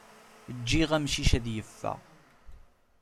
Ǧǧiɣ amcic ad yeffeɣ.